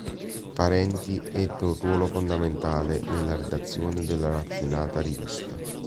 Parenti ebbe un ruolo fondamentale nella redazione della raffinata rivista.